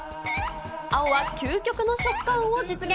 青は究極の食感を実現。